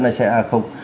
này sẽ là không